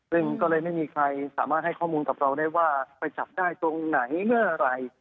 ซึ่งก็เลยไม่มีใครสามารถให้ข้อมูลกับเราได้ว่าไปจับได้ตรงไหนเมื่อไหร่